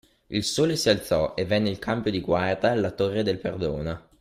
Il Sole si alzò, e venne il cambio di guarda alla Torre del Perdono.